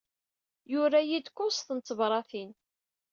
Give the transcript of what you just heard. Tura-iyi-d kuẓet n tebṛatin.